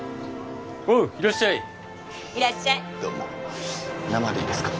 おういらっしゃいいらっしゃいどうも生でいいですか？